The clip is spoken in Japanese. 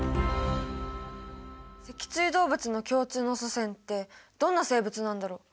脊椎動物の共通の祖先ってどんな生物なんだろう？